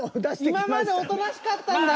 今までおとなしかったんだ。